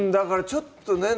ちょっとね。